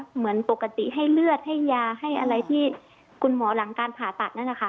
เหมือนปกติให้เลือดให้ยาให้อะไรที่คุณหมอหลังการผ่าตัดนั่นนะคะ